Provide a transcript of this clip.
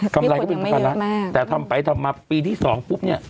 กำไรก็เป็น๑๐๐๐ล้านแต่ทำไปทำมาปีที่๒ปุ๊บเนี่ย